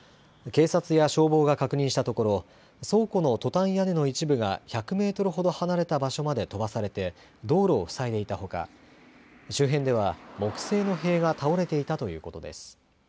警察や消防が確認したところ、倉庫のトタン屋根の一部が１００メートルほど離れた場所まで飛ばされて、道路を塞いでいたほか、周辺では木製の塀が倒れていたということです。